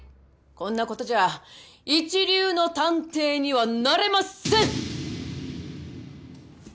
こんなことじゃ一流の探偵にはなれません！